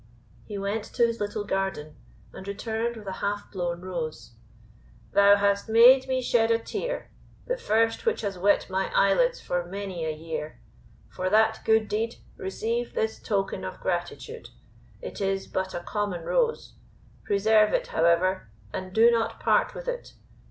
He went to his little garden, and returned with a half blown rose. "Thou hast made me shed a tear, the first which has wet my eyelids for many a year; for that good deed receive this token of gratitude. It is but a common rose; preserve it, however, and do not part with it.